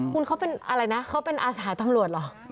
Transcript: คุณเขาเป็นอะไรนะเขาเป็นอาสาตำรวจเหรอ